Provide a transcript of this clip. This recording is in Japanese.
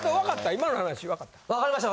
今の話わかった？